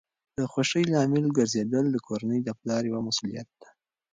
د خوښۍ لامل ګرځیدل د کورنۍ د پلار یوه مسؤلیت ده.